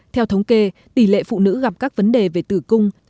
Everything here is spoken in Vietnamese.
theo thống kê tỷ lệ phụ nữ gặp các vấn đề về tử cung